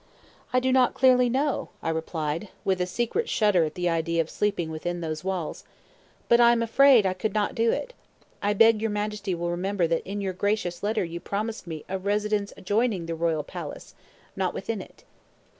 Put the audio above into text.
"I do not clearly know," I replied, with a secret shudder at the idea of sleeping within those walls; "but I am afraid I could not do it. I beg your Majesty will remember that in your gracious letter you promised me 'a residence adjoining the royal palace,' not within it."